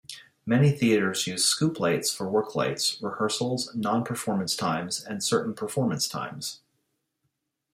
Many theaters use scoop lights for worklights, rehearsals, non-performance times, and certain performance times.